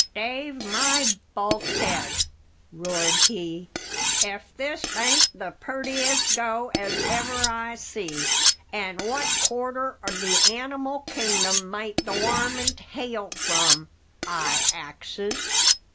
"Stave my bulkhead!" roared he, "if this bain't the purtiest go as ever I see. An' what quarter o' the animile kingdom might the warmint hail from? I axes."